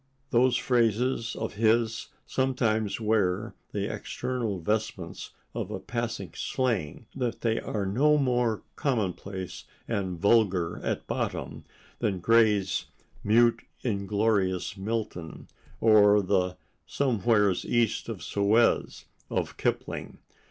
Those phrases of his sometimes wear the external vestments of a passing slang, but they are no more commonplace and vulgar at bottom than Gray's "mute, inglorious Milton" or the "somewheres East of Suez" of Kipling.